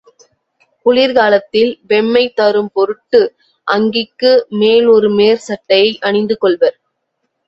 குளிர் காலத்தில் வெம்மை தரும் பொருட்டு அங்கிக்கு மேல் ஒரு மேற் சட்டையை அணிந்து கொள்வர்.